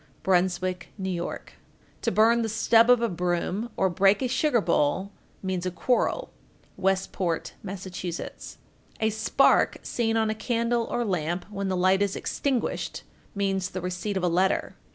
Bruynswick, N.Y. 1439. To burn the stub of a broom or break a sugar bowl, means a quarrel. Westport, Mass. 1440. A spark seen on a candle or lamp when the light is extinguished means the receipt of a letter.